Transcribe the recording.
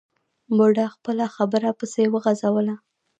بوډا خپله خبره پسې وغځوله.